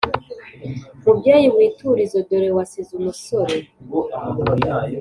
mubyeyi witurize dore wasize umusore,